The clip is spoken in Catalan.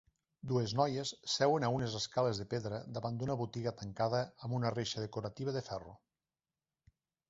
Dues noies seuen a unes escales de pedra davant d'una botiga tancada amb una reixa decorativa de ferro.